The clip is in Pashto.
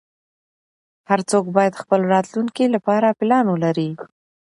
هر څوک باید خپل راتلونکې لپاره پلان ولری